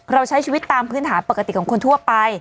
เราใช้ชีวิตตามพื้นฐานปกติของคนทั่วไป